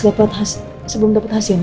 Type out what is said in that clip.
sebelum dapat hasilnya